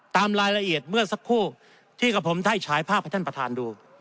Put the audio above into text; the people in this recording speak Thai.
ตามรายละเอียดเมื่อสักครู่ที่กับผมได้ฉายภาพให้ท่านประธานดู